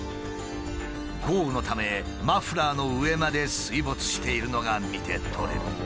豪雨のためマフラーの上まで水没しているのが見て取れる。